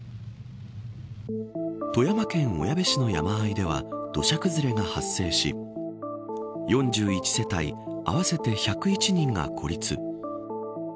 富山県小矢部市の山あいでは土砂崩れが発生し４１世帯合わせて１０１人が孤立。